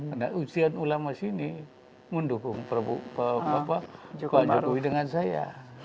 karena ijtihad ulama sini mendukung prabowo jokowi dengan saya